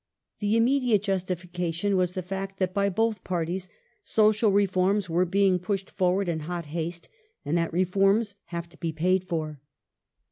The immediate justification was the fact that by both Parties social reforms were being pushed forward in hot haste and that reforms have to be paid for.